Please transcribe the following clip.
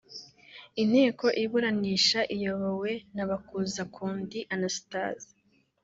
Inteko iburanisha iyobowe na Bakuzakundi Anastase